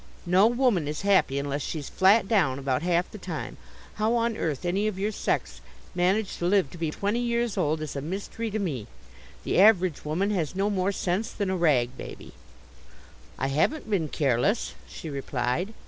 No woman is happy unless she's flat down about half the time. How on earth any of your sex manage to live to be twenty years old is a mystery to me. The average woman has no more sense than a rag baby." "I haven't been careless," she replied.